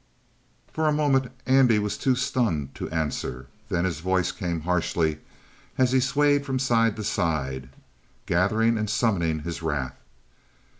For a moment Andy was too stunned to answer. Then his voice came harshly and he swayed from side to side, gathering and summoning his wrath.